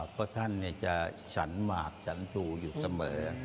เพราะท่านจะสรรหมากฉันพลูอยู่เสมอ